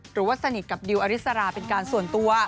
หรือว่าสนิทกับดิวอริสราเป็นการส่วนตัว